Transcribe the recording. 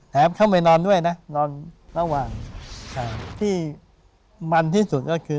เข้าไปนอนด้วยนะนอนระหว่างที่มันที่สุดก็คือ